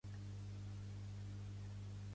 Hi ha algun lampista al carrer d'Àlaba?